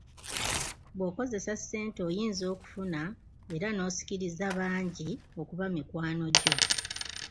Bw’okozesa ssente oyinza okufuna era n’osikiriza bangi okuba mikwano gyo.